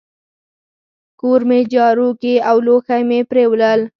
کور مي جارو کی او لوښي مي پرېولل.